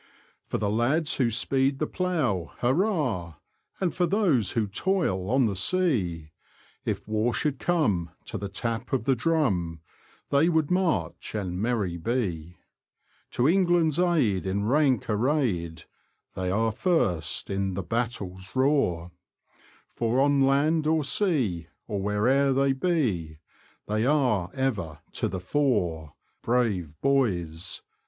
For the lads who speed the plough. Hurrah! And for those who toil on the sea ; If war should come, to the tap of the drum They would march and merry be. To England's aid, in rank arrayed. They are first in the battle's roar,* For on land or sea, or where'er they be, They are ever to the fore — Brave boys!